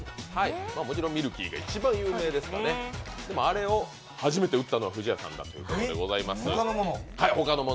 もちろんミルキーが一番有名ですがあれを初めて売ったのは不二家さんでございます。